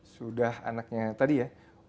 sudah anaknya tadi ya